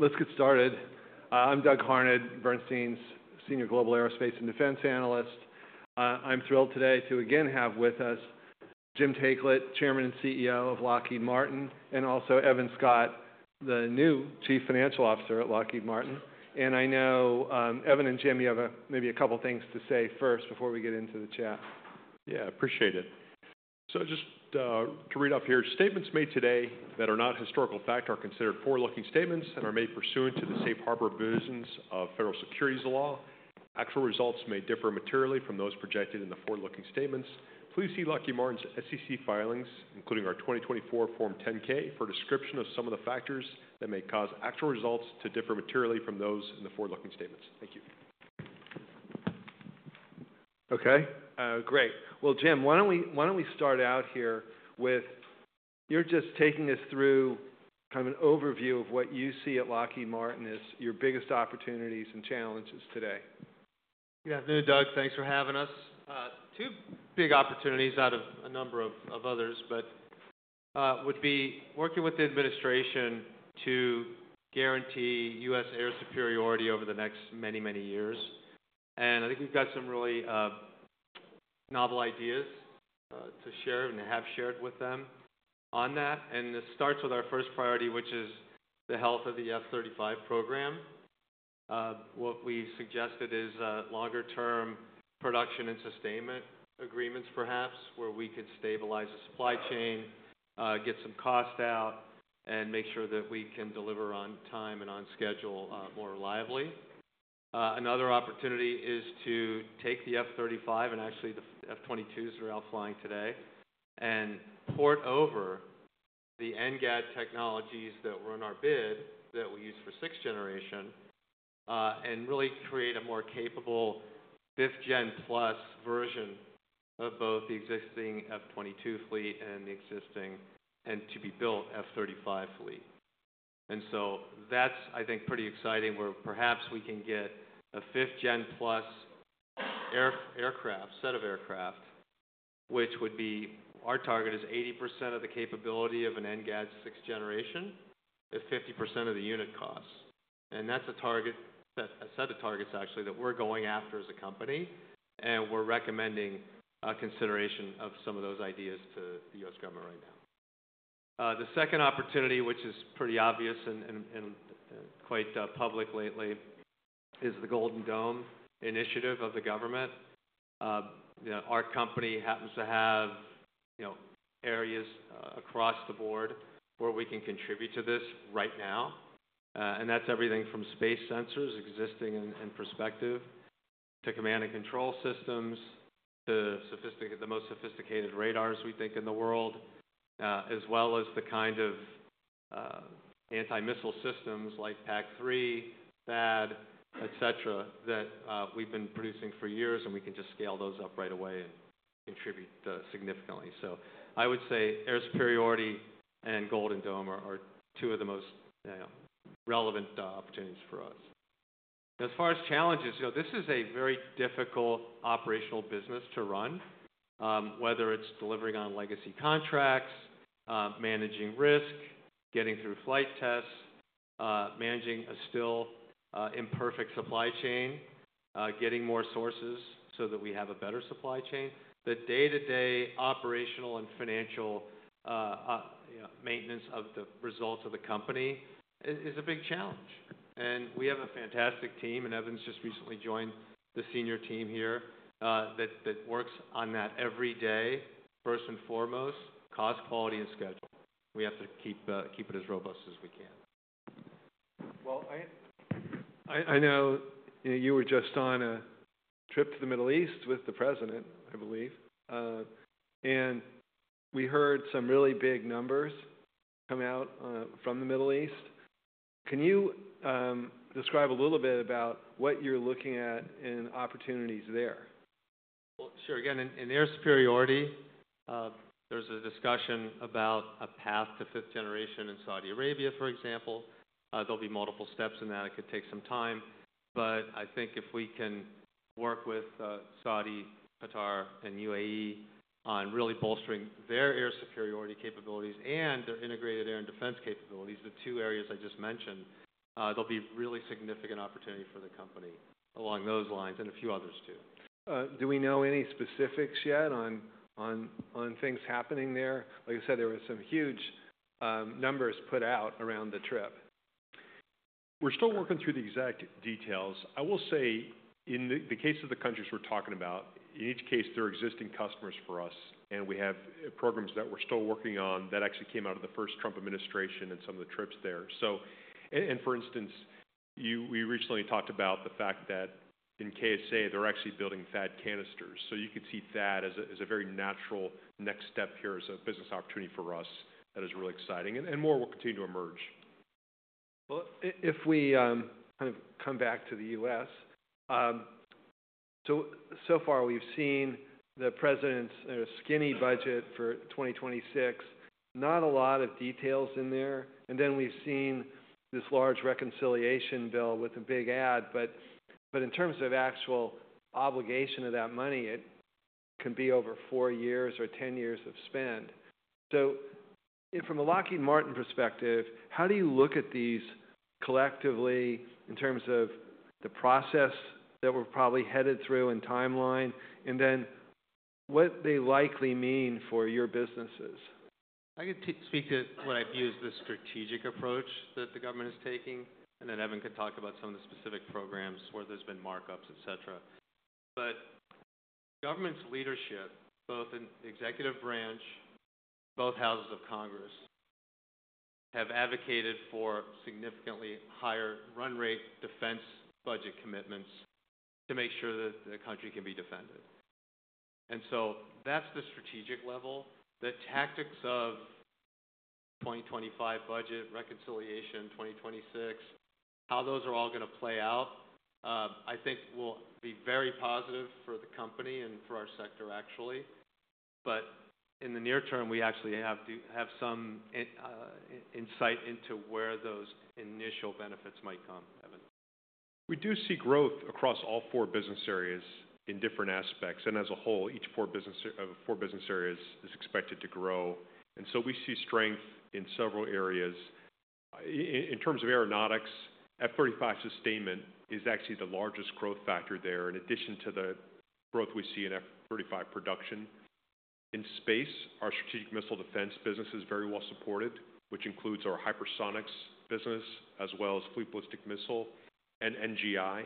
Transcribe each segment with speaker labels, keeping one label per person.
Speaker 1: Let's get started. I'm Doug Harned, Bernstein's Senior Global Aerospace and Defense Analyst. I'm thrilled today to again have with us Jim Taiclet, Chairman and CEO of Lockheed Martin, and also Evan Scott, the new Chief Financial Officer at Lockheed Martin. I know, Evan and Jim, you have maybe a couple of things to say first before we get into the chat.
Speaker 2: Yeah, appreciate it. So just to read off here, "Statements made today that are not historical fact are considered forward-looking statements and are made pursuant to the safe harbor provisions of federal securities law. Actual results may differ materially from those projected in the forward-looking statements. Please see Lockheed Martin's SEC filings, including our 2024 Form 10-K, for a description of some of the factors that may cause actual results to differ materially from those in the forward-looking statements." Thank you.
Speaker 1: Okay. Great. Jim, why don't we start out here with you just taking us through kind of an overview of what you see at Lockheed Martin, your biggest opportunities and challenges today.
Speaker 3: Yeah, good, Doug. Thanks for having us. Two big opportunities out of a number of others, but would be working with the administration to guarantee U.S. air superiority over the next many, many years. I think we've got some really novel ideas to share and have shared with them on that. This starts with our first priority, which is the health of the F-35 program. What we suggested is longer-term production and sustainment agreements, perhaps, where we could stabilize the supply chain, get some cost out, and make sure that we can deliver on time and on schedule more reliably. Another opportunity is to take the F-35 and actually the F-22s that are out flying today and port over the NGAD technologies that were in our bid that we used for sixth generation and really create a more capable 5th-gen plus version of both the existing F-22 fleet and the existing and to-be-built F-35 fleet. That is, I think, pretty exciting where perhaps we can get a 5th-gen plus aircraft, set of aircraft, which would be our target is 80% of the capability of an NGAD sixth generation at 50% of the unit cost. That is a target, a set of targets actually that we are going after as a company. We are recommending a consideration of some of those ideas to the U.S. government right now. The second opportunity, which is pretty obvious and quite public lately, is the Golden Dome initiative of the government. Our company happens to have areas across the board where we can contribute to this right now. That is everything from space sensors existing in perspective to command and control systems to the most sophisticated radars we think in the world, as well as the kind of anti-missile systems like PAC-3, THAAD, et cetera, that we have been producing for years, and we can just scale those up right away and contribute significantly. I would say air superiority and Golden Dome are two of the most relevant opportunities for us. As far as challenges, this is a very difficult operational business to run, whether it is delivering on legacy contracts, managing risk, getting through flight tests, managing a still imperfect supply chain, getting more sources so that we have a better supply chain. The day-to-day operational and financial maintenance of the results of the company is a big challenge. We have a fantastic team, and Evan's just recently joined the senior team here that works on that every day, first and foremost, cost, quality, and schedule. We have to keep it as robust as we can.
Speaker 1: I know you were just on a trip to the Middle East with the president, I believe. We heard some really big numbers come out from the Middle East. Can you describe a little bit about what you're looking at in opportunities there?
Speaker 3: Again, in air superiority, there's a discussion about a path to fifth generation in Saudi Arabia, for example. There'll be multiple steps in that. It could take some time. I think if we can work with Saudi, Qatar, and UAE on really bolstering their air superiority capabilities and their integrated air and defense capabilities, the two areas I just mentioned, there'll be a really significant opportunity for the company along those lines and a few others too.
Speaker 1: Do we know any specifics yet on things happening there? Like I said, there were some huge numbers put out around the trip.
Speaker 2: We're still working through the exact details. I will say in the case of the countries we're talking about, in each case, they're existing customers for us, and we have programs that we're still working on that actually came out of the first Trump administration and some of the trips there. For instance, we recently talked about the fact that in KSA, they're actually building THAAD canisters. You could see THAAD as a very natural next step here as a business opportunity for us that is really exciting and more will continue to emerge.
Speaker 1: If we kind of come back to the U.S. So far, we've seen the president's skinny budget for 2026, not a lot of details in there. Then we've seen this large reconciliation bill with a big ad. In terms of actual obligation of that money, it can be over four years or 10 years of spend. From a Lockheed Martin perspective, how do you look at these collectively in terms of the process that we're probably headed through and timeline? What do they likely mean for your businesses?
Speaker 3: I could speak to what I view as the strategic approach that the government is taking. Then Evan could talk about some of the specific programs where there's been markups, et cetera. The government's leadership, both in the executive branch and both houses of Congress, have advocated for significantly higher run rate defense budget commitments to make sure that the country can be defended. That is the strategic level. The tactics of 2025 budget reconciliation, 2026, how those are all going to play out, I think will be very positive for the company and for our sector, actually. In the near term, we actually have some insight into where those initial benefits might come, Evan.
Speaker 2: We do see growth across all four business areas in different aspects. As a whole, each four business areas is expected to grow. We see strength in several areas. In terms of aeronautics, F-35 sustainment is actually the largest growth factor there in addition to the growth we see in F-35 production. In space, our strategic missile defense business is very well supported, which includes our hypersonics business as well as fleet ballistic missile and NGI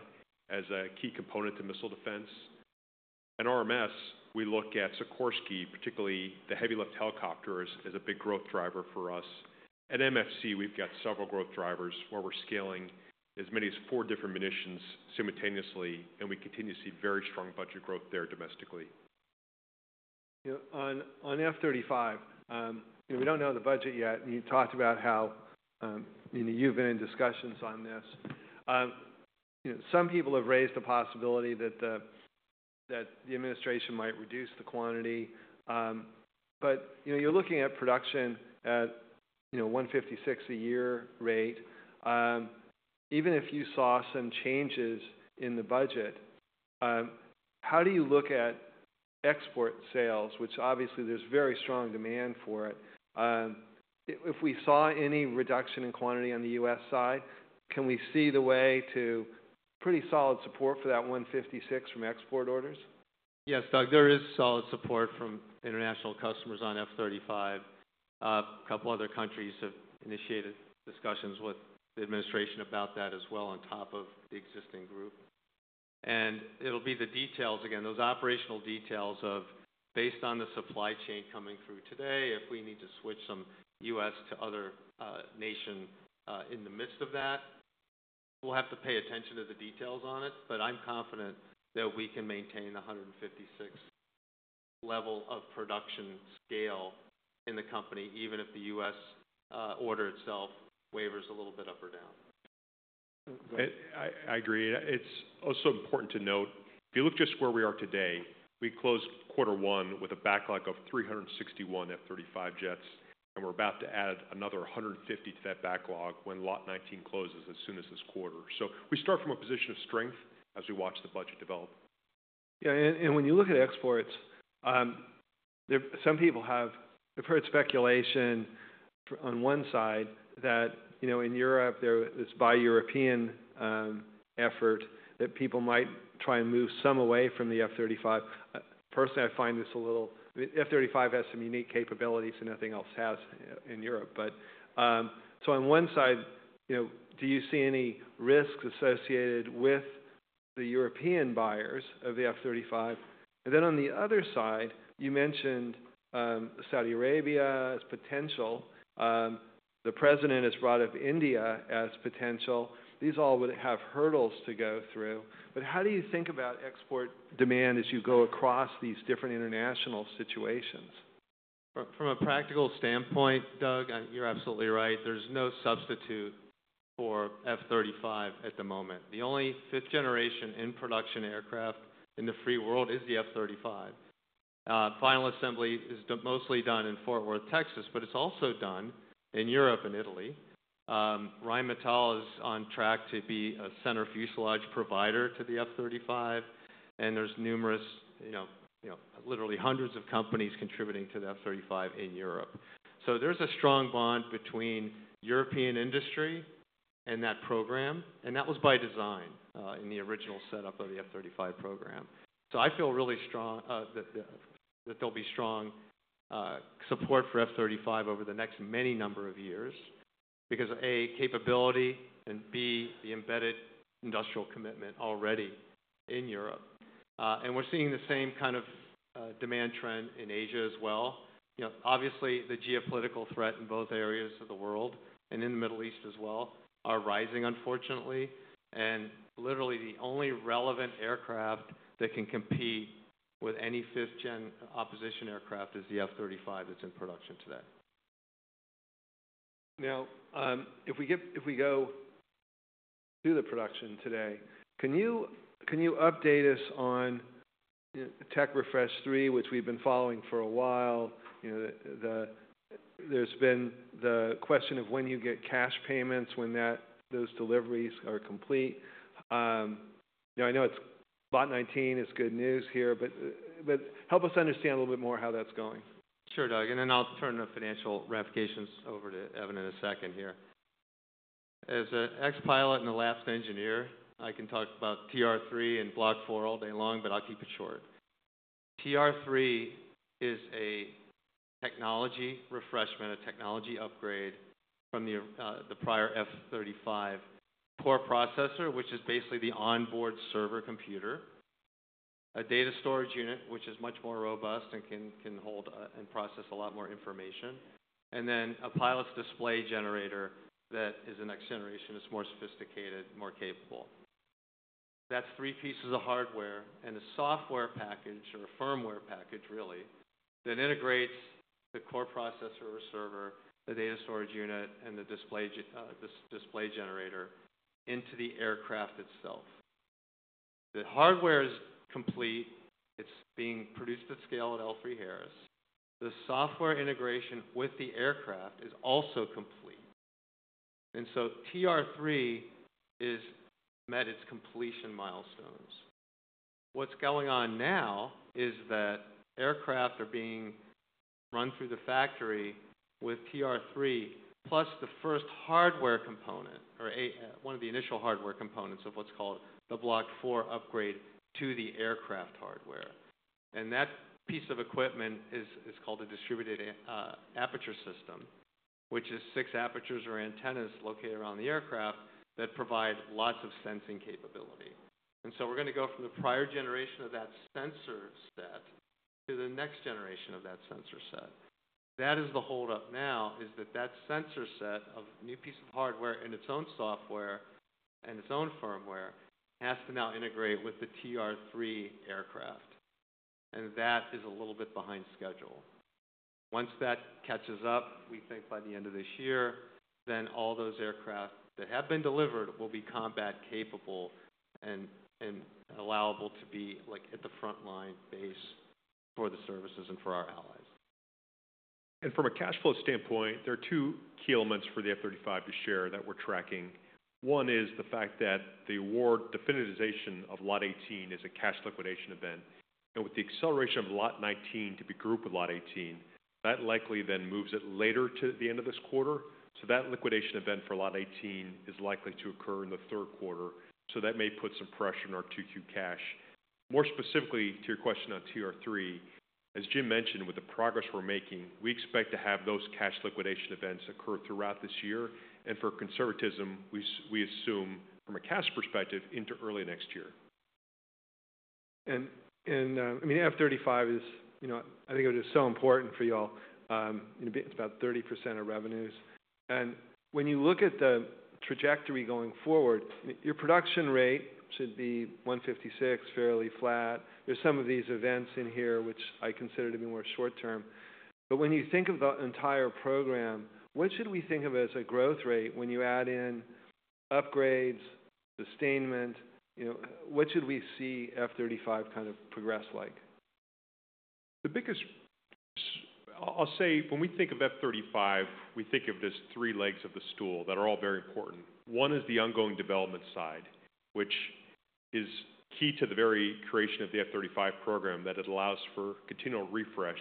Speaker 2: as a key component to missile defense. In RMS, we look at Sikorsky, particularly the heavy-lift helicopters as a big growth driver for us. At MFC, we've got several growth drivers where we're scaling as many as four different munitions simultaneously, and we continue to see very strong budget growth there domestically.
Speaker 1: On F-35, we don't know the budget yet. You talked about how you've been in discussions on this. Some people have raised the possibility that the administration might reduce the quantity. You're looking at production at 156 a year rate. Even if you saw some changes in the budget, how do you look at export sales, which obviously there's very strong demand for it? If we saw any reduction in quantity on the U.S. side, can we see the way to pretty solid support for that 156 from export orders?
Speaker 3: Yes, Doug, there is solid support from international customers on F-35. A couple of other countries have initiated discussions with the administration about that as well on top of the existing group. It'll be the details, again, those operational details of based on the supply chain coming through today, if we need to switch some U.S. to other nation in the midst of that, we'll have to pay attention to the details on it. I'm confident that we can maintain the 156 level of production scale in the company, even if the U.S. order itself wavers a little bit up or down.
Speaker 2: I agree. It's also important to note, if you look just where we are today, we closed quarter one with a backlog of 361 F-35 jets, and we're about to add another 150 to that backlog when Lot 19 closes as soon as this quarter. We start from a position of strength as we watch the budget develop.
Speaker 1: Yeah. When you look at exports, some people have heard speculation on one side that in Europe, there is this buy-European effort that people might try and move some away from the F-35. Personally, I find this a little—F-35 has some unique capabilities and nothing else has in Europe. On one side, do you see any risks associated with the European buyers of the F-35? On the other side, you mentioned Saudi Arabia as potential. The president has brought up India as potential. These all would have hurdles to go through. How do you think about export demand as you go across these different international situations?
Speaker 3: From a practical standpoint, Doug, you're absolutely right. There's no substitute for F-35 at the moment. The only fifth-generation in production aircraft in the free world is the F-35. Final assembly is mostly done in Fort Worth, Texas, but it's also done in Europe and Italy. Rheinmetall is on track to be a center fuselage provider to the F-35. There's numerous, literally hundreds of companies contributing to the F-35 in Europe. There's a strong bond between European industry and that program. That was by design in the original setup of the F-35 program. I feel really strong that there'll be strong support for F-35 over the next many number of years because A, capability, and B, the embedded industrial commitment already in Europe. We're seeing the same kind of demand trend in Asia as well. Obviously, the geopolitical threat in both areas of the world and in the Middle East as well are rising, unfortunately. Literally, the only relevant aircraft that can compete with any 5th-gen opposition aircraft is the F-35 that's in production today.
Speaker 1: Now, if we go to the production today, can you update us on Tech Refresh 3, which we've been following for a while? There's been the question of when you get cash payments when those deliveries are complete. I know Lot 19 is good news here, but help us understand a little bit more how that's going.
Speaker 3: Sure, Doug. Then I'll turn the financial ramifications over to Evan in a second here. As an ex-pilot and a last engineer, I can talk about TR-3 and Block 4 all day long, but I'll keep it short. TR-3 is a technology refreshment, a technology upgrade from the prior F-35 core processor, which is basically the onboard server computer, a data storage unit, which is much more robust and can hold and process a lot more information, and then a pilot's display generator that is the next generation. It's more sophisticated, more capable. That's three pieces of hardware and a software package or a firmware package, really, that integrates the core processor or server, the data storage unit, and the display generator into the aircraft itself. The hardware is complete. It's being produced at scale at L3Harris. The software integration with the aircraft is also complete. TR-3 has met its completion milestones. What's going on now is that aircraft are being run through the factory with TR-3 plus the first hardware component or one of the initial hardware components of what's called the Block 4 upgrade to the aircraft hardware. That piece of equipment is called a distributed aperture system, which is six apertures or antennas located around the aircraft that provide lots of sensing capability. We're going to go from the prior generation of that sensor set to the next generation of that sensor set. The holdup now is that that sensor set, a new piece of hardware and its own software and its own firmware, has to now integrate with the TR-3 aircraft. That is a little bit behind schedule. Once that catches up, we think by the end of this year, then all those aircraft that have been delivered will be combat capable and allowable to be at the frontline base for the services and for our allies.
Speaker 2: From a cash flow standpoint, there are two key elements for the F-35 to share that we're tracking. One is the fact that the war definitization of Lot 18 is a cash liquidation event. With the acceleration of Lot 19 to be grouped with Lot 18, that likely then moves it later to the end of this quarter. That liquidation event for Lot 18 is likely to occur in the third quarter. That may put some pressure on our 2Q cash. More specifically to your question on TR-3, as Jim mentioned, with the progress we're making, we expect to have those cash liquidation events occur throughout this year. For conservatism, we assume from a cash perspective into early next year.
Speaker 1: I mean, F-35 is, I think it was just so important for you all. It's about 30% of revenues. When you look at the trajectory going forward, your production rate should be 156, fairly flat. There are some of these events in here, which I consider to be more short term. When you think of the entire program, what should we think of as a growth rate when you add in upgrades, sustainment? What should we see F-35 kind of progress like?
Speaker 2: The biggest, I'll say when we think of F-35, we think of there's three legs of the stool that are all very important. One is the ongoing development side, which is key to the very creation of the F-35 program that allows for continual refresh.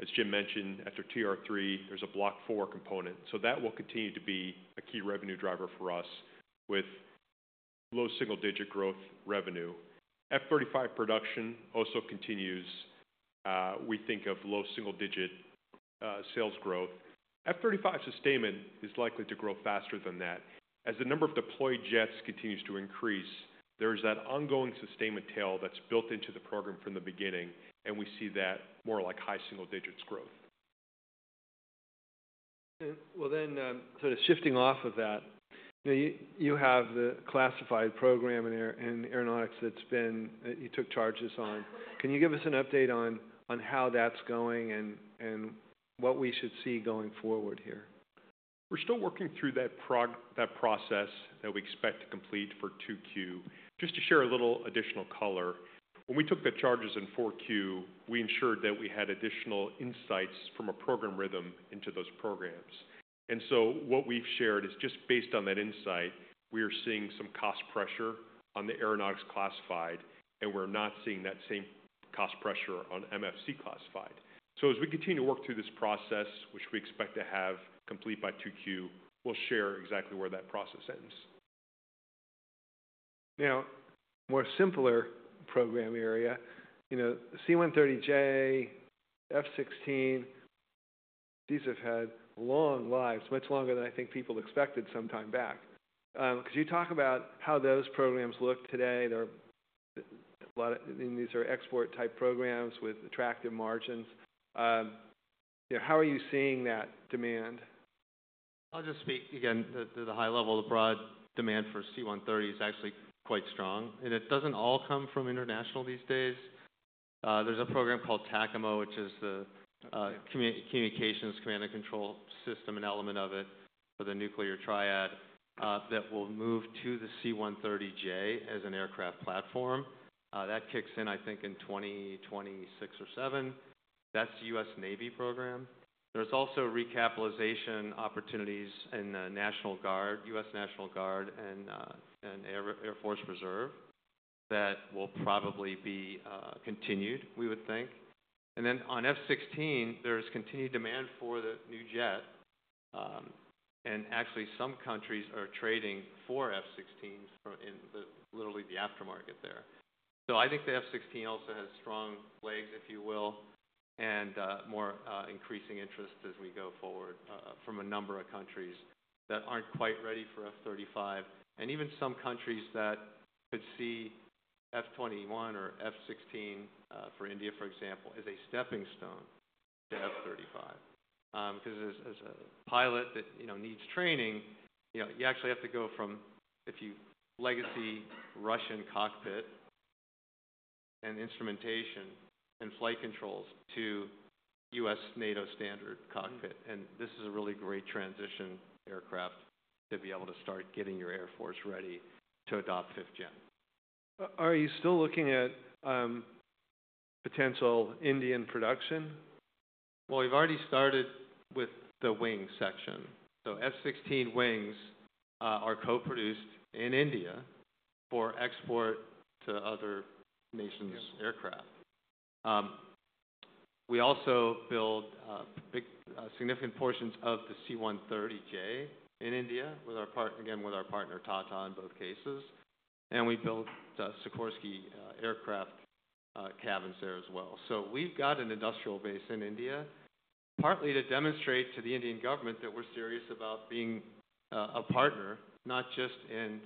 Speaker 2: As Jim mentioned, after TR-3, there's a Block 4 component. That will continue to be a key revenue driver for us with low single-digit growth revenue. F-35 production also continues. We think of low single-digit sales growth. F-35 sustainment is likely to grow faster than that. As the number of deployed jets continues to increase, there is that ongoing sustainment tail that's built into the program from the beginning. We see that more like high single-digits growth.
Speaker 1: Sort of shifting off of that, you have the classified program in aeronautics that you took charges on. Can you give us an update on how that's going and what we should see going forward here?
Speaker 2: We're still working through that process that we expect to complete for 2Q. Just to share a little additional color, when we took the charges in 4Q, we ensured that we had additional insights from a program rhythm into those programs. What we've shared is just based on that insight, we are seeing some cost pressure on the aeronautics classified, and we're not seeing that same cost pressure on MFC classified. As we continue to work through this process, which we expect to have complete by 2Q, we'll share exactly where that process ends.
Speaker 1: Now, more simpler program area, C-130J, F-16, these have had long lives, much longer than I think people expected some time back. Could you talk about how those programs look today? These are export-type programs with attractive margins. How are you seeing that demand?
Speaker 3: I'll just speak again to the high level. The broad demand for C-130 is actually quite strong. It doesn't all come from international these days. There's a program called TACAMO, which is the communications command and control system, an element of it for the nuclear triad that will move to the C-130J as an aircraft platform. That kicks in, I think, in 2026 or 2027. That's the U.S. Navy program. There's also recapitalization opportunities in the National Guard, U.S. National Guard, and Air Force Reserve that will probably be continued, we would think. On F-16, there is continued demand for the new jet. Actually, some countries are trading for F-16s in literally the aftermarket there. I think the F-16 also has strong legs, if you will, and more increasing interest as we go forward from a number of countries that aren't quite ready for F-35. Even some countries that could see F-21 or F-16 for India, for example, as a stepping stone to F-35. Because as a pilot that needs training, you actually have to go from, if you legacy Russian cockpit and instrumentation and flight controls to U.S. NATO standard cockpit. This is a really great transition aircraft to be able to start getting your Air Force ready to adopt fifth gen.
Speaker 1: Are you still looking at potential Indian production?
Speaker 3: We have already started with the wing section. F-16 wings are co-produced in India for export to other nations' aircraft. We also build significant portions of the C-130J in India with our partner, again, with our partner Tata in both cases. We build Sikorsky aircraft cabins there as well. We have got an industrial base in India, partly to demonstrate to the Indian government that we are serious about being a partner, not just in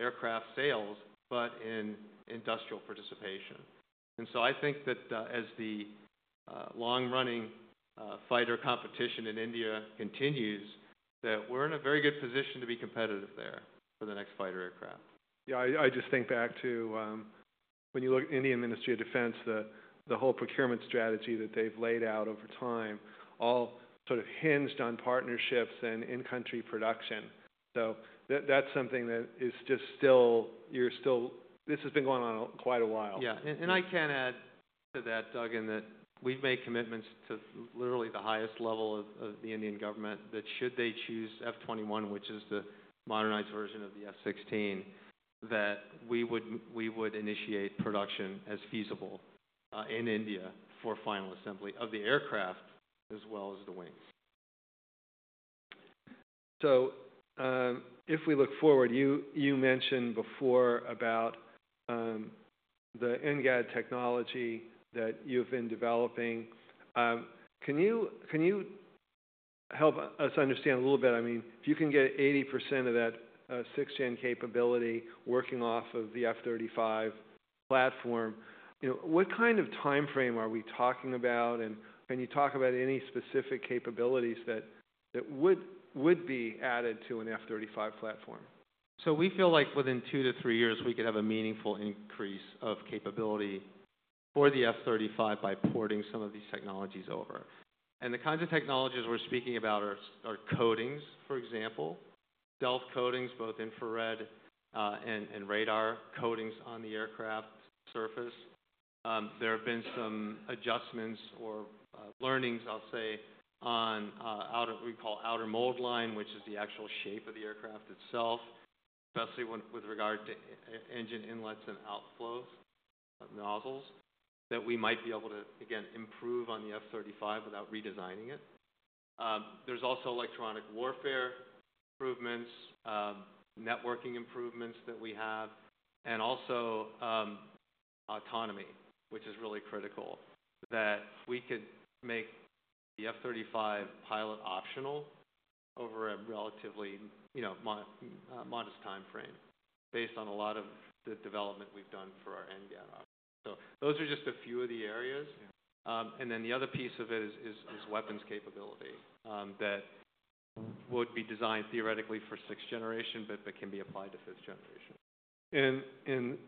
Speaker 3: aircraft sales, but in industrial participation. I think that as the long-running fighter competition in India continues, we are in a very good position to be competitive there for the next fighter aircraft.
Speaker 1: Yeah. I just think back to when you look at Indian Ministry of Defense, the whole procurement strategy that they've laid out over time all sort of hinged on partnerships and in-country production. So that's something that is just still, this has been going on quite a while.
Speaker 3: Yeah. I can add to that, Doug, in that we've made commitments to literally the highest level of the Indian government that should they choose F-21, which is the modernized version of the F-16, that we would initiate production as feasible in India for final assembly of the aircraft as well as the wings.
Speaker 1: If we look forward, you mentioned before about the NGAD technology that you've been developing. Can you help us understand a little bit? I mean, if you can get 80% of that sixth-gen capability working off of the F-35 platform, what kind of timeframe are we talking about? Can you talk about any specific capabilities that would be added to an F-35 platform?
Speaker 3: We feel like within two to three years, we could have a meaningful increase of capability for the F-35 by porting some of these technologies over. The kinds of technologies we're speaking about are coatings, for example, stealth coatings, both infrared and radar coatings on the aircraft surface. There have been some adjustments or learnings, I'll say, on what we call outer mold line, which is the actual shape of the aircraft itself, especially with regard to engine inlets and outflows, nozzles that we might be able to, again, improve on the F-35 without redesigning it. There's also electronic warfare improvements, networking improvements that we have, and also autonomy, which is really critical that we could make the F-35 pilot optional over a relatively modest timeframe based on a lot of the development we've done for our NGAD options. Those are just a few of the areas. The other piece of it is weapons capability that would be designed theoretically for sixth generation, but can be applied to fifth generation.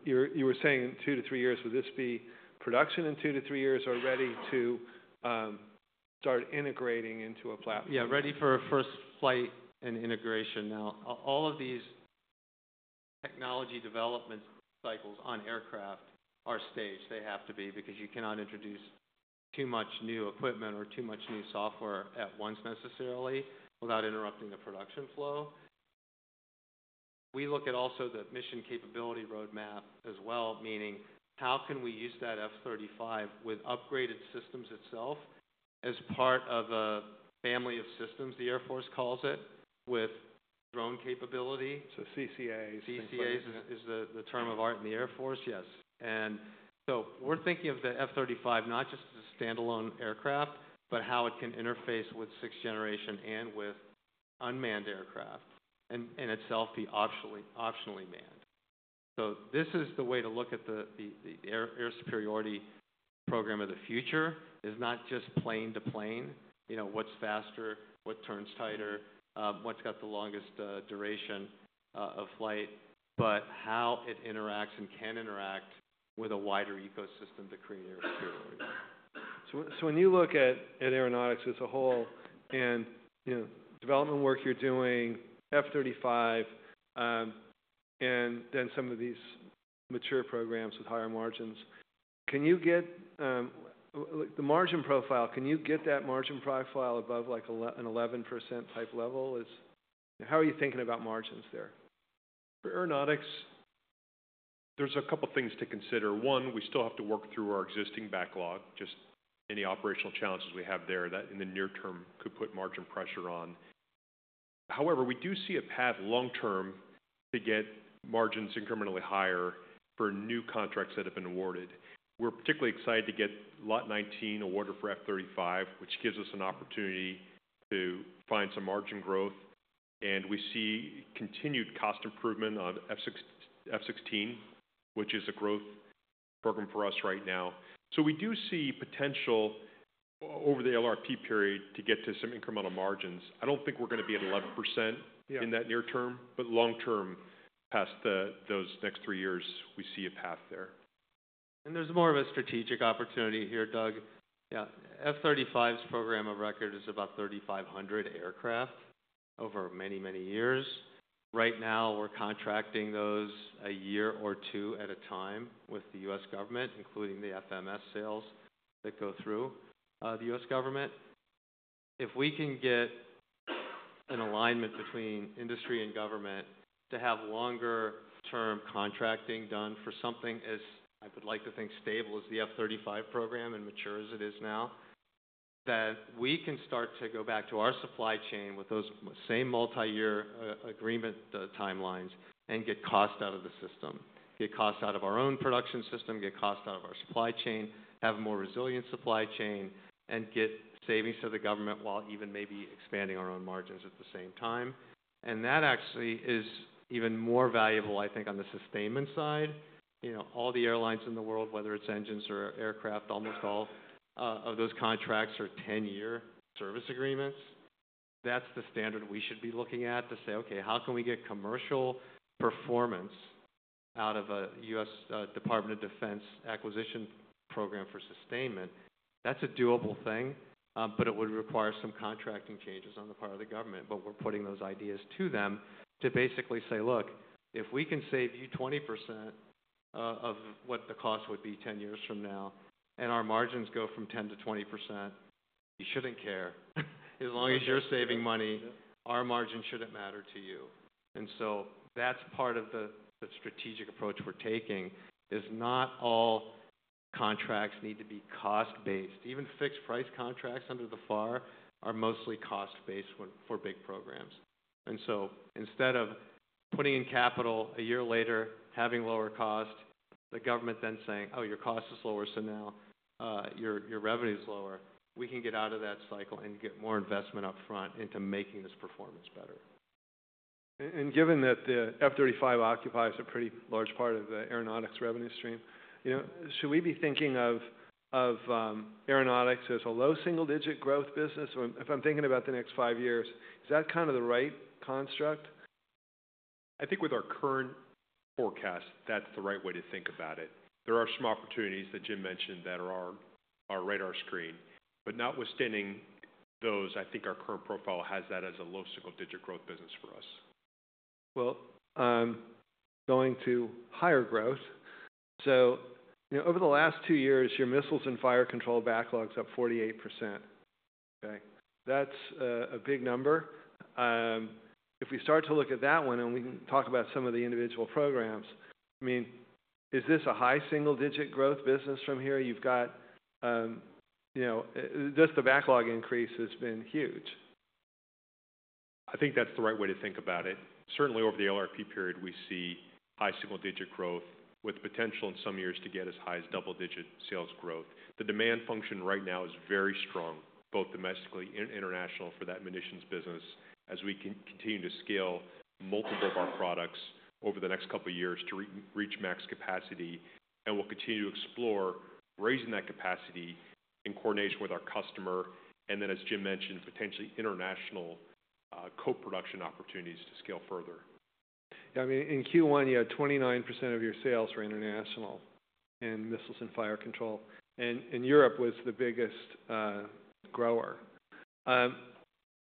Speaker 1: You were saying in two to three years, would this be production in two to three years or ready to start integrating into a platform?
Speaker 3: Yeah, ready for first flight and integration. Now, all of these technology development cycles on aircraft are staged. They have to be because you cannot introduce too much new equipment or too much new software at once necessarily without interrupting the production flow. We look at also the mission capability roadmap as well, meaning how can we use that F-35 with upgraded systems itself as part of a family of systems, the Air Force calls it, with drone capability.
Speaker 1: So CCAs.
Speaker 3: CCAs is the term of art in the Air Force, yes. We are thinking of the F-35 not just as a standalone aircraft, but how it can interface with sixth generation and with unmanned aircraft and itself be optionally manned. This is the way to look at the air superiority program of the future, not just plane to plane, what's faster, what turns tighter, what's got the longest duration of flight, but how it interacts and can interact with a wider ecosystem to create air superiority.
Speaker 1: When you look at aeronautics as a whole and development work you're doing, F-35, and then some of these mature programs with higher margins, can you get the margin profile, can you get that margin profile above like an 11% type level? How are you thinking about margins there?
Speaker 2: Aeronautics, there's a couple of things to consider. One, we still have to work through our existing backlog, just any operational challenges we have there that in the near term could put margin pressure on. However, we do see a path long term to get margins incrementally higher for new contracts that have been awarded. We're particularly excited to get Lot 19 awarded for F-35, which gives us an opportunity to find some margin growth. We see continued cost improvement on F-16, which is a growth program for us right now. We do see potential over the LRP period to get to some incremental margins. I don't think we're going to be at 11% in that near term, but long term, past those next three years, we see a path there.
Speaker 3: There is more of a strategic opportunity here, Doug. Yeah, F-35's program of record is about 3,500 aircraft over many, many years. Right now, we're contracting those a year or two at a time with the U.S. government, including the FMS sales that go through the U.S. government. If we can get an alignment between industry and government to have longer-term contracting done for something as I would like to think stable as the F-35 program and mature as it is now, we can start to go back to our supply chain with those same multi-year agreement timelines and get cost out of the system, get cost out of our own production system, get cost out of our supply chain, have a more resilient supply chain, and get savings to the government while even maybe expanding our own margins at the same time. That actually is even more valuable, I think, on the sustainment side. All the airlines in the world, whether it's engines or aircraft, almost all of those contracts are 10-year service agreements. That's the standard we should be looking at to say, okay, how can we get commercial performance out of a U.S. Department of Defense acquisition program for sustainment? That's a doable thing, but it would require some contracting changes on the part of the government. We're putting those ideas to them to basically say, look, if we can save you 20% of what the cost would be 10 years from now, and our margins go from 10% to 20%, you shouldn't care. As long as you're saving money, our margin shouldn't matter to you. That's part of the strategic approach we're taking is not all contracts need to be cost-based. Even fixed-price contracts under the FAR are mostly cost-based for big programs. Instead of putting in capital a year later, having lower cost, the government then saying, oh, your cost is lower, so now your revenue is lower. We can get out of that cycle and get more investment upfront into making this performance better.
Speaker 1: Given that the F-35 occupies a pretty large part of the aeronautics revenue stream, should we be thinking of aeronautics as a low single-digit growth business? If I'm thinking about the next five years, is that kind of the right construct?
Speaker 2: I think with our current forecast, that's the right way to think about it. There are some opportunities that Jim mentioned that are on our radar screen. Notwithstanding those, I think our current profile has that as a low single-digit growth business for us.
Speaker 1: Going to higher growth. Over the last two years, your missiles and fire control backlog's up 48%. Okay. That's a big number. If we start to look at that one and we can talk about some of the individual programs, I mean, is this a high single-digit growth business from here? You've got just the backlog increase has been huge.
Speaker 2: I think that's the right way to think about it. Certainly, over the LRP period, we see high single-digit growth with potential in some years to get as high as double-digit sales growth. The demand function right now is very strong, both domestically and international for that munitions business as we continue to scale multiple of our products over the next couple of years to reach max capacity. We will continue to explore raising that capacity in coordination with our customer. As Jim mentioned, potentially international co-production opportunities to scale further.
Speaker 1: Yeah. I mean, in Q1, you had 29% of your sales were international in missiles and fire control. Europe was the biggest grower.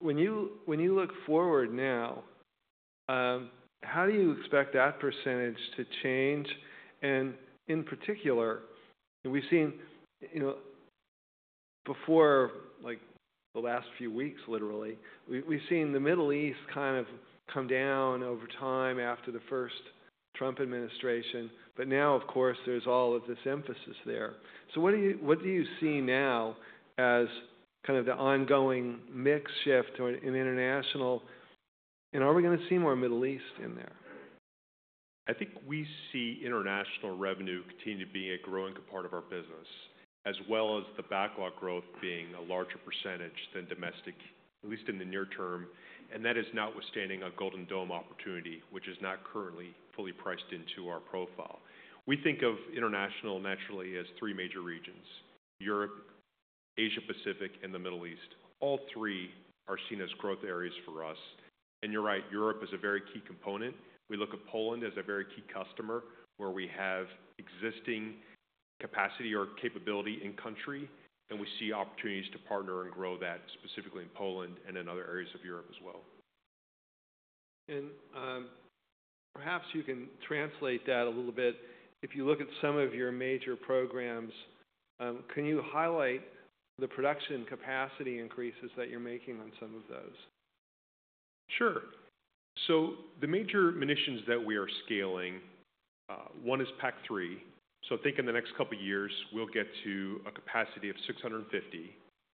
Speaker 1: When you look forward now, how do you expect that percentage to change? In particular, we've seen before the last few weeks, literally, we've seen the Middle East kind of come down over time after the first Trump administration. Now, of course, there's all of this emphasis there. What do you see now as kind of the ongoing mix shift in international? Are we going to see more Middle East in there?
Speaker 2: I think we see international revenue continue to be a growing part of our business, as well as the backlog growth being a larger percentage than domestic, at least in the near term. That is notwithstanding a Golden Dome opportunity, which is not currently fully priced into our profile. We think of international naturally as three major regions: Europe, Asia-Pacific, and the Middle East. All three are seen as growth areas for us. You're right, Europe is a very key component. We look at Poland as a very key customer where we have existing capacity or capability in country. We see opportunities to partner and grow that specifically in Poland and in other areas of Europe as well.
Speaker 1: Perhaps you can translate that a little bit. If you look at some of your major programs, can you highlight the production capacity increases that you're making on some of those?
Speaker 2: Sure. The major munitions that we are scaling, one is PAC-3. Think in the next couple of years, we'll get to a capacity of 650,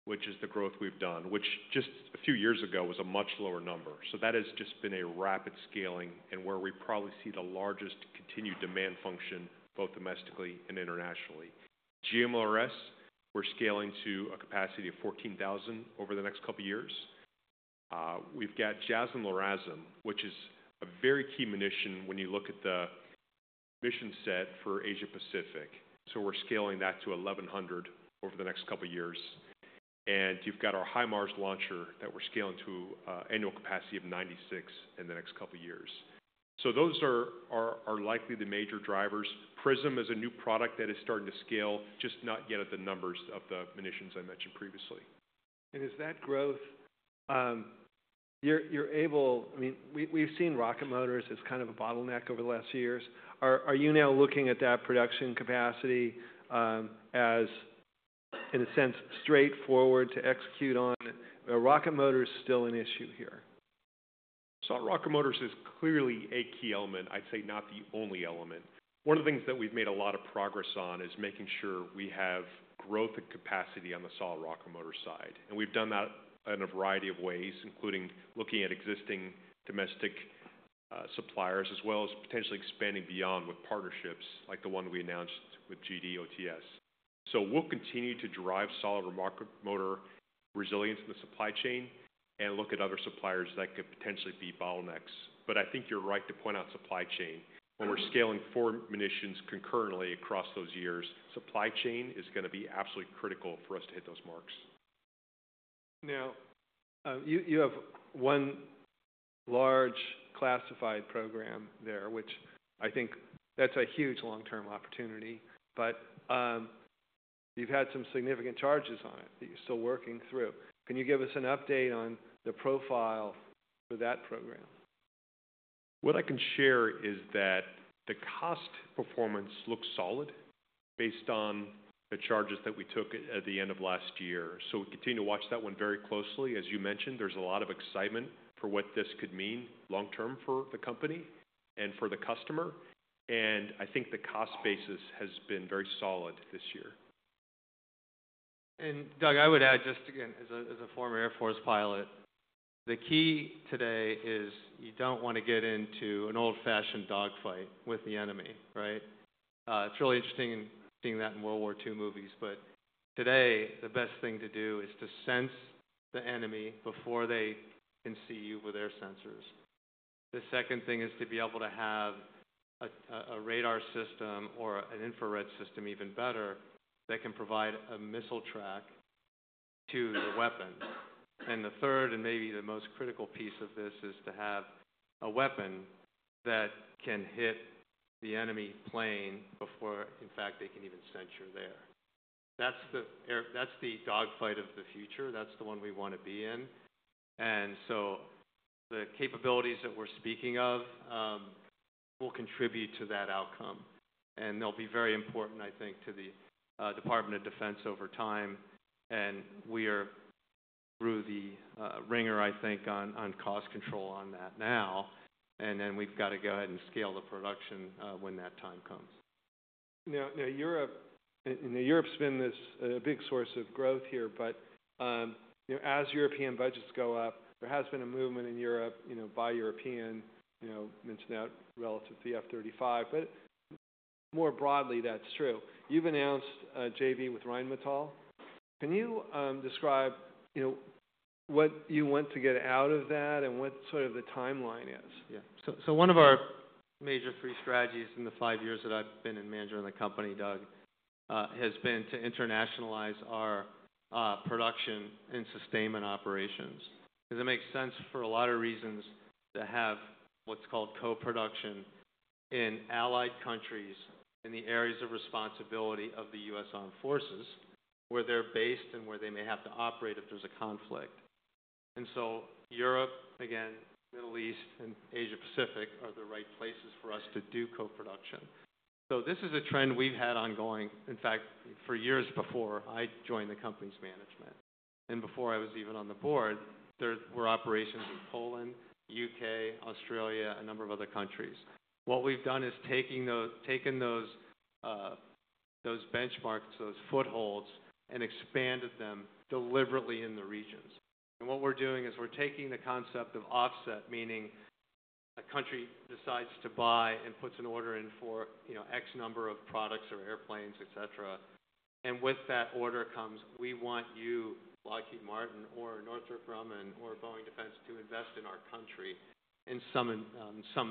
Speaker 2: which is the growth we've done, which just a few years ago was a much lower number. That has just been a rapid scaling and where we probably see the largest continued demand function, both domestically and internationally. GMLRS, we're scaling to a capacity of 14,000 over the next couple of years. We've got JASSM-LRASM, which is a very key munition when you look at the mission set for Asia-Pacific. We're scaling that to 1,100 over the next couple of years. You've got our HIMARS launcher that we're scaling to an annual capacity of 96 in the next couple of years. Those are likely the major drivers. PRISM is a new product that is starting to scale, just not yet at the numbers of the munitions I mentioned previously.
Speaker 1: Is that growth you're able? I mean, we've seen rocket motors as kind of a bottleneck over the last few years. Are you now looking at that production capacity as, in a sense, straightforward to execute on? Are rocket motors still an issue here?
Speaker 2: Solid rocket motors is clearly a key element. I'd say not the only element. One of the things that we've made a lot of progress on is making sure we have growth and capacity on the solid rocket motor side. We've done that in a variety of ways, including looking at existing domestic suppliers as well as potentially expanding beyond with partnerships like the one we announced with GD-OTS. We will continue to drive solid rocket motor resilience in the supply chain and look at other suppliers that could potentially be bottlenecks. I think you're right to point out supply chain. When we're scaling four munitions concurrently across those years, supply chain is going to be absolutely critical for us to hit those marks.
Speaker 1: Now, you have one large classified program there, which I think that's a huge long-term opportunity. You have had some significant charges on it that you're still working through. Can you give us an update on the profile for that program?
Speaker 2: What I can share is that the cost performance looks solid based on the charges that we took at the end of last year. We continue to watch that one very closely. As you mentioned, there is a lot of excitement for what this could mean long term for the company and for the customer. I think the cost basis has been very solid this year.
Speaker 3: Doug, I would add just again, as a former Air Force pilot, the key today is you do not want to get into an old-fashioned dogfight with the enemy, right? It is really interesting seeing that in World War II movies. Today, the best thing to do is to sense the enemy before they can see you with their sensors. The second thing is to be able to have a radar system or an infrared system, even better, that can provide a missile track to the weapon. The third and maybe the most critical piece of this is to have a weapon that can hit the enemy plane before, in fact, they can even center there. That is the dogfight of the future. That is the one we want to be in. The capabilities that we are speaking of will contribute to that outcome. They'll be very important, I think, to the Department of Defense over time. We are through the ringer, I think, on cost control on that now. We've got to go ahead and scale the production when that time comes.
Speaker 1: Europe's been a big source of growth here. As European budgets go up, there has been a movement in Europe by European, you know, mentioned that relative to the F-35. More broadly, that's true. You've announced JV with Rheinmetall. Can you describe what you want to get out of that and what sort of the timeline is?
Speaker 3: Yeah. So one of our major three strategies in the five years that I've been in manager in the company, Doug, has been to internationalize our production and sustainment operations. Because it makes sense for a lot of reasons to have what's called co-production in allied countries in the areas of responsibility of the U.S. Armed Forces, where they're based and where they may have to operate if there's a conflict. Europe, again, Middle East, and Asia-Pacific are the right places for us to do co-production. This is a trend we've had ongoing, in fact, for years before I joined the company's management. Before I was even on the board, there were operations in Poland, the U.K., Australia, a number of other countries. What we've done is taken those benchmarks, those footholds, and expanded them deliberately in the regions. What we're doing is we're taking the concept of offset, meaning a country decides to buy and puts an order in for X number of products or airplanes, et cetera. With that order comes, we want you, Lockheed Martin or Northrop Grumman or Boeing Defense, to invest in our country in some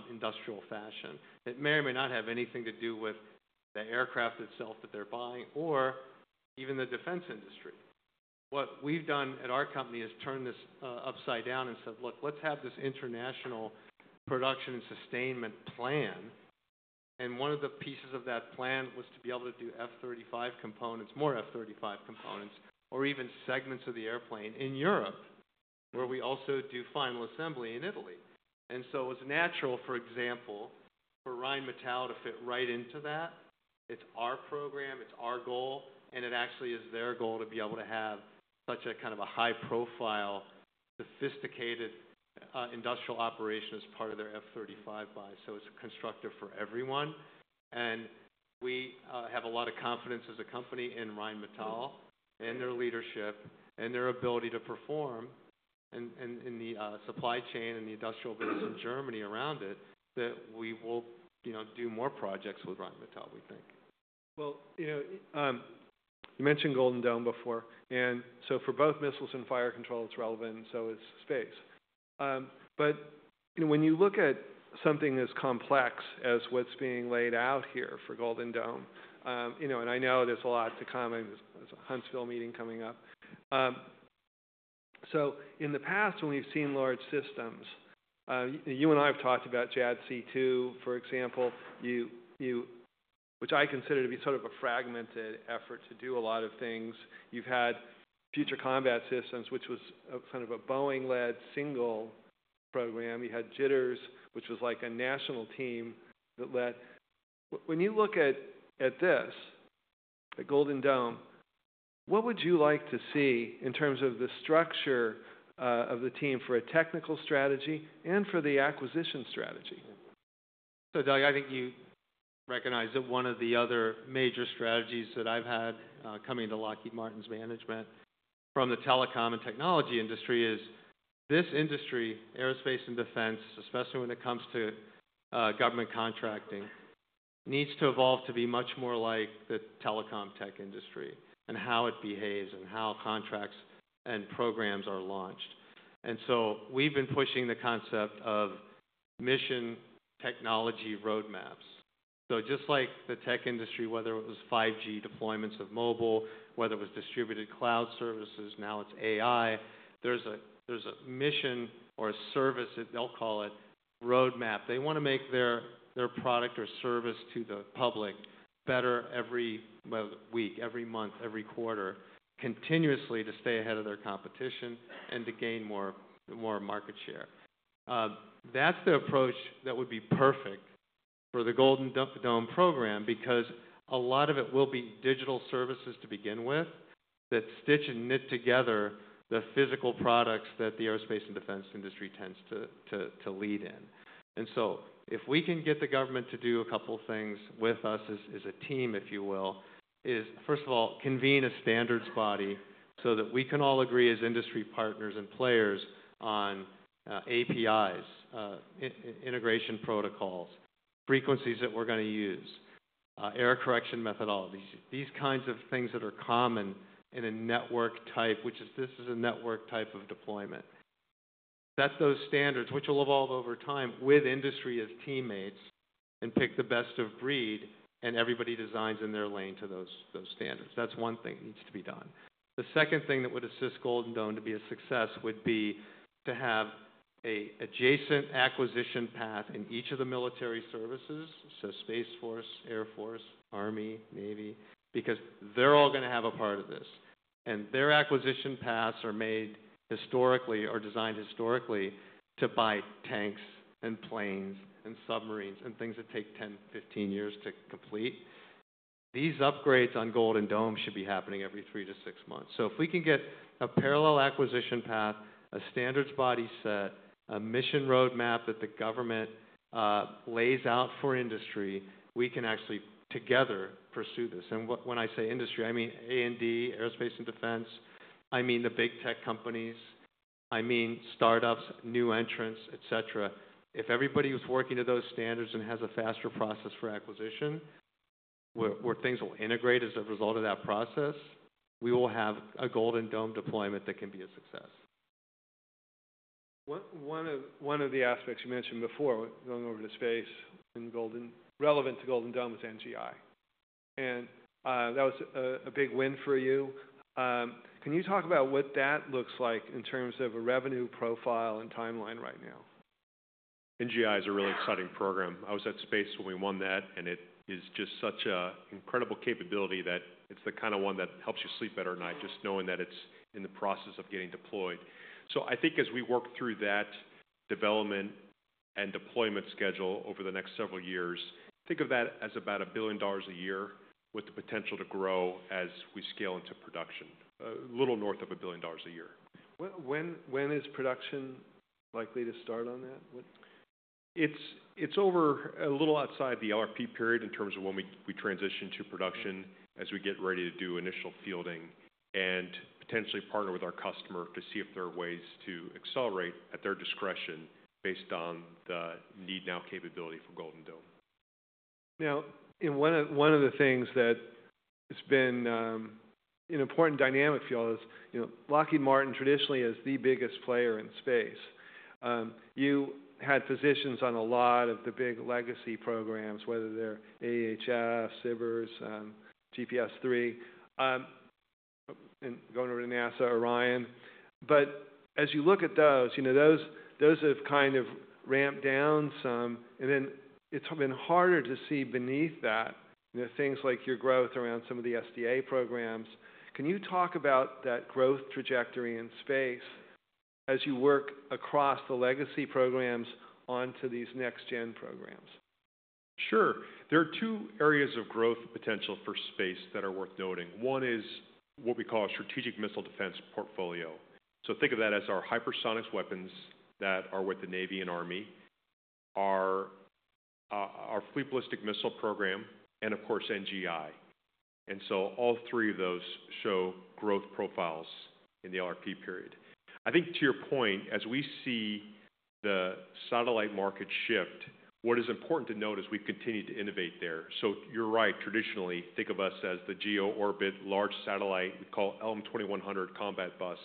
Speaker 3: industrial fashion that may or may not have anything to do with the aircraft itself that they're buying or even the defense industry. What we've done at our company is turn this upside down and said, look, let's have this international production and sustainment plan. One of the pieces of that plan was to be able to do F-35 components, more F-35 components, or even segments of the airplane in Europe, where we also do final assembly in Italy. It was natural, for example, for Rheinmetall to fit right into that. It's our program. It's our goal. It actually is their goal to be able to have such a kind of a high-profile, sophisticated industrial operation as part of their F-35 buy. It is constructive for everyone. We have a lot of confidence as a company in Rheinmetall and their leadership and their ability to perform in the supply chain and the industrial business in Germany around it that we will do more projects with Rheinmetall, we think.
Speaker 1: You mentioned Golden Dome before. For both missiles and fire control, it's relevant. Space is as well. When you look at something as complex as what's being laid out here for Golden Dome, and I know there's a lot to come, there's a Huntsville meeting coming up. In the past, when we've seen large systems, you and I have talked about JADC2, for example, which I consider to be sort of a fragmented effort to do a lot of things. You've had future combat systems, which was kind of a Boeing-led single program. You had Jitters, which was like a national team that led. When you look at this, the Golden Dome, what would you like to see in terms of the structure of the team for a technical strategy and for the acquisition strategy?
Speaker 3: Doug, I think you recognize that one of the other major strategies that I've had coming to Lockheed Martin's management from the telecom and technology industry is this industry, aerospace and defense, especially when it comes to government contracting, needs to evolve to be much more like the telecom tech industry and how it behaves and how contracts and programs are launched. We've been pushing the concept of mission technology roadmaps. Just like the tech industry, whether it was 5G deployments of mobile, whether it was distributed cloud services, now it's AI, there's a mission or a service, they'll call it, roadmap. They want to make their product or service to the public better every week, every month, every quarter, continuously to stay ahead of their competition and to gain more market share. That's the approach that would be perfect for the Golden Dome program because a lot of it will be digital services to begin with that stitch and knit together the physical products that the aerospace and defense industry tends to lead in. If we can get the government to do a couple of things with us as a team, if you will, first of all, convene a standards body so that we can all agree as industry partners and players on APIs, integration protocols, frequencies that we're going to use, error correction methodology, these kinds of things that are common in a network type, which is this is a network type of deployment. Set those standards, which will evolve over time with industry as teammates, and pick the best of breed, and everybody designs in their lane to those standards. That's one thing that needs to be done. The second thing that would assist Golden Dome to be a success would be to have an adjacent acquisition path in each of the military services, so Space Force, Air Force, Army, Navy, because they're all going to have a part of this. Their acquisition paths are made historically or designed historically to buy tanks and planes and submarines and things that take 10, 15 years to complete. These upgrades on Golden Dome should be happening every three to six months. If we can get a parallel acquisition path, a standards body set, a mission roadmap that the government lays out for industry, we can actually together pursue this. When I say industry, I mean A&D, aerospace and defense. I mean the big tech companies. I mean startups, new entrants, et cetera. If everybody was working to those standards and has a faster process for acquisition where things will integrate as a result of that process, we will have a Golden Dome deployment that can be a success.
Speaker 1: One of the aspects you mentioned before going over to space and relevant to Golden Dome was NGI. That was a big win for you. Can you talk about what that looks like in terms of a revenue profile and timeline right now?
Speaker 2: NGI is a really exciting program. I was at space when we won that. It is just such an incredible capability that it's the kind of one that helps you sleep better at night, just knowing that it's in the process of getting deployed. I think as we work through that development and deployment schedule over the next several years, think of that as about $1 billion a year with the potential to grow as we scale into production, a little north of $1 billion a year.
Speaker 1: When is production likely to start on that?
Speaker 2: It's over a little outside the LRP period in terms of when we transition to production as we get ready to do initial fielding and potentially partner with our customer to see if there are ways to accelerate at their discretion based on the need now capability for Golden Dome.
Speaker 1: Now, one of the things that has been an important dynamic for you all is Lockheed Martin traditionally is the biggest player in space. You had positions on a lot of the big legacy programs, whether they're AHS, SIBRS, GPS-3, and going over to NASA, Orion. As you look at those, those have kind of ramped down some. It has been harder to see beneath that, things like your growth around some of the SDA programs. Can you talk about that growth trajectory in space as you work across the legacy programs onto these next-gen programs?
Speaker 2: Sure. There are two areas of growth potential for space that are worth noting. One is what we call a strategic missile defense portfolio. Think of that as our hypersonics weapons that are with the Navy and Army, our fleet ballistic missile program, and of course, NGI. All three of those show growth profiles in the LRP period. I think to your point, as we see the satellite market shift, what is important to note is we've continued to innovate there. You're right. Traditionally, think of us as the Geo Orbit large satellite we call LM-2100 combat bus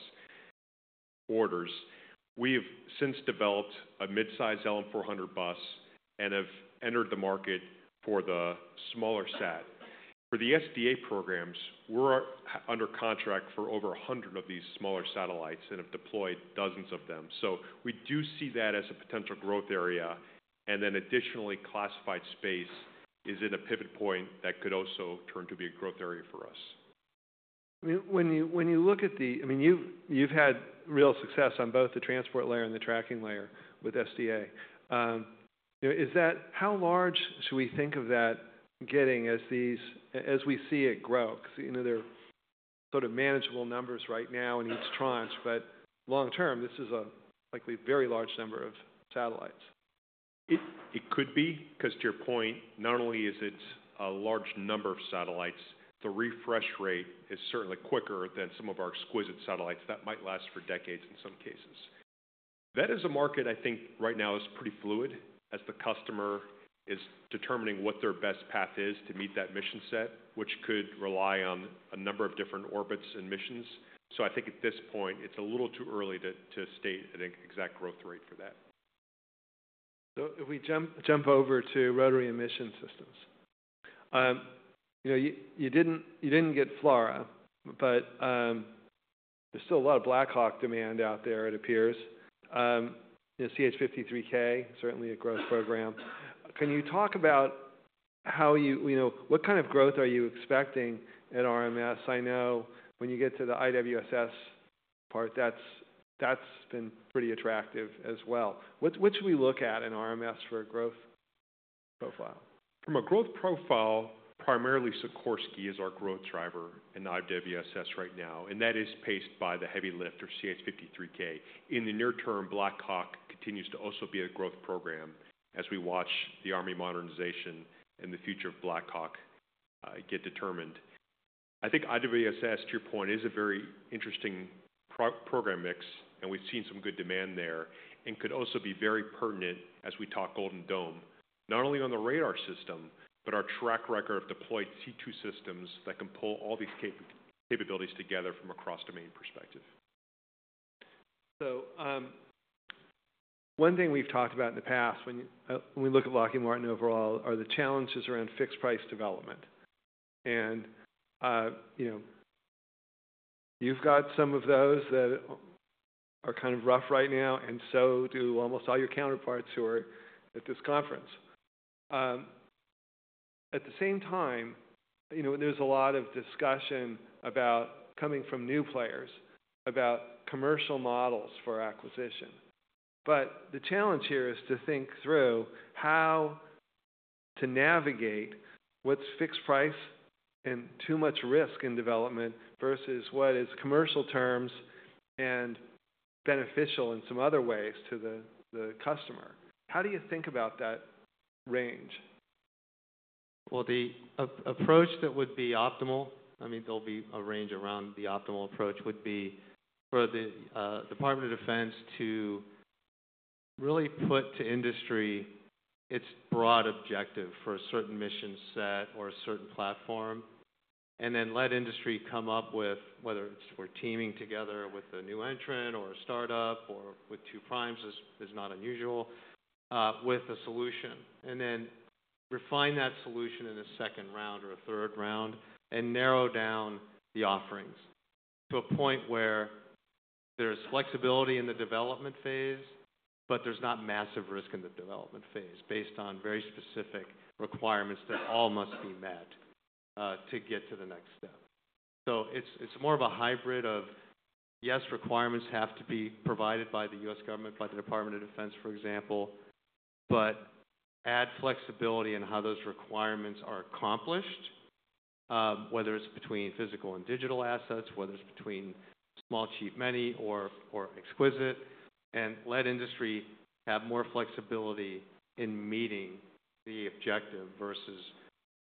Speaker 2: orders. We have since developed a mid-size LM-400 bus and have entered the market for the smaller set. For the SDA programs, we're under contract for over 100 of these smaller satellites and have deployed dozens of them. We do see that as a potential growth area. Additionally, classified space is in a pivot point that could also turn to be a growth area for us.
Speaker 1: When you look at the, I mean, you've had real success on both the transport layer and the tracking layer with SDA. Is that, how large should we think of that getting as we see it grow? Because there are sort of manageable numbers right now in each tranche. But long term, this is a likely very large number of satellites.
Speaker 2: It could be. Because to your point, not only is it a large number of satellites, the refresh rate is certainly quicker than some of our exquisite satellites that might last for decades in some cases. That is a market, I think, right now is pretty fluid as the customer is determining what their best path is to meet that mission set, which could rely on a number of different orbits and missions. I think at this point, it's a little too early to state, I think, exact growth rate for that.
Speaker 1: If we jump over to Rotary and Mission Systems, you did not get FLRAA, but there is still a lot of Blackhawk demand out there, it appears. CH-53K, certainly a growth program. Can you talk about how you, what kind of growth are you expecting at RMS? I know when you get to the IWSS part, that has been pretty attractive as well. What should we look at in RMS for a growth profile?
Speaker 2: From a growth profile, primarily Sikorsky is our growth driver in IWSS right now. That is paced by the heavy lift or CH-53K. In the near term, Blackhawk continues to also be a growth program as we watch the Army modernization and the future of Blackhawk get determined. I think IWSS, to your point, is a very interesting program mix. We have seen some good demand there and could also be very pertinent as we talk Golden Dome, not only on the radar system, but our track record of deployed C2 systems that can pull all these capabilities together from a cross-domain perspective.
Speaker 1: One thing we've talked about in the past, when we look at Lockheed Martin overall, are the challenges around fixed price development. You've got some of those that are kind of rough right now, and so do almost all your counterparts who are at this conference. At the same time, there's a lot of discussion about coming from new players about commercial models for acquisition. The challenge here is to think through how to navigate what's fixed price and too much risk in development versus what is commercial terms and beneficial in some other ways to the customer. How do you think about that range?
Speaker 3: The approach that would be optimal, I mean, there'll be a range around the optimal approach, would be for the Department of Defense to really put to industry its broad objective for a certain mission set or a certain platform, and then let industry come up with whether it's we're teaming together with a new entrant or a startup or with two primes is not unusual with a solution. And then refine that solution in a second round or a third round and narrow down the offerings to a point where there's flexibility in the development phase, but there's not massive risk in the development phase based on very specific requirements that all must be met to get to the next step. It is more of a hybrid of, yes, requirements have to be provided by the U.S. government, by the Department of Defense, for example, but add flexibility in how those requirements are accomplished, whether it is between physical and digital assets, whether it is between small, cheap, many, or exquisite, and let industry have more flexibility in meeting the objective versus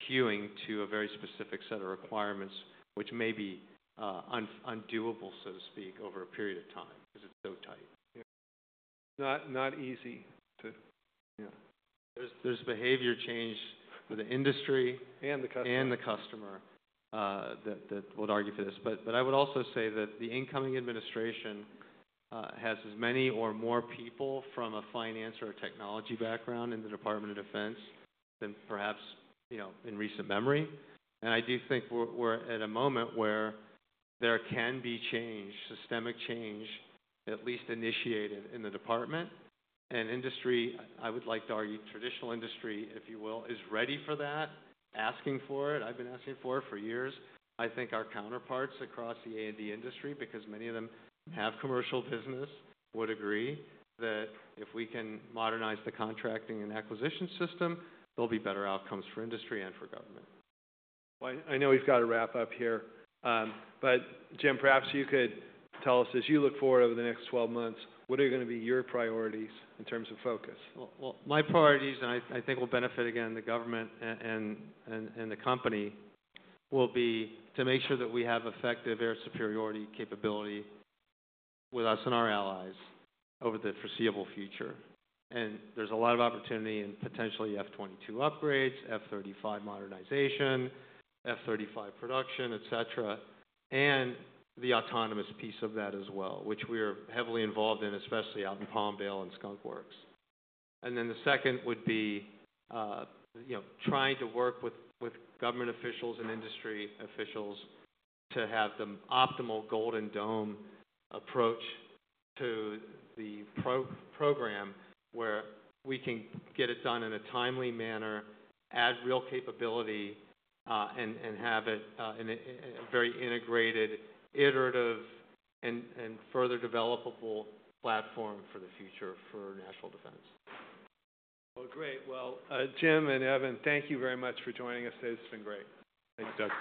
Speaker 3: queuing to a very specific set of requirements, which may be undoable, so to speak, over a period of time because it is so tight.
Speaker 1: Not easy to.
Speaker 3: There's behavior change with the industry.
Speaker 1: The customer.
Speaker 3: The customer would argue for this. I would also say that the incoming administration has as many or more people from a finance or a technology background in the Department of Defense than perhaps in recent memory. I do think we're at a moment where there can be change, systemic change, at least initiated in the department. Industry, I would like to argue traditional industry, if you will, is ready for that, asking for it. I've been asking for it for years. I think our counterparts across the A&D industry, because many of them have commercial business, would agree that if we can modernize the contracting and acquisition system, there'll be better outcomes for industry and for government.
Speaker 1: I know we've got to wrap up here. Jim, perhaps you could tell us, as you look forward over the next 12 months, what are going to be your priorities in terms of focus?
Speaker 3: My priorities, and I think will benefit again the government and the company, will be to make sure that we have effective air superiority capability with us and our allies over the foreseeable future. There is a lot of opportunity in potentially F-22 upgrades, F-35 modernization, F-35 production, et cetera, and the autonomous piece of that as well, which we are heavily involved in, especially out in Palmdale and Skunk Works. The second would be trying to work with government officials and industry officials to have the optimal Golden Dome approach to the program where we can get it done in a timely manner, add real capability, and have it in a very integrated, iterative, and further developable platform for the future for national defense.
Speaker 1: Great. Jim and Evan, thank you very much for joining us today. This has been great.
Speaker 3: Thanks, Doug.